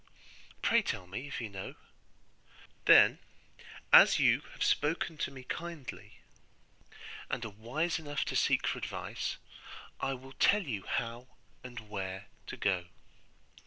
Pray tell me if you know.' 'Then as you have spoken to me kindly, and are wise enough to seek for advice, I will tell you how and where to go.